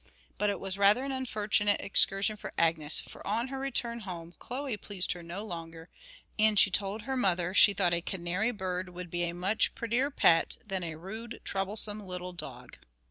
But it was rather an unfortunate excursion for Agnes, for on her return home Chloe pleased her no longer, and she told her mother she thought 'a canary bird would be a much prettier pet than a rude, troublesome little dog.'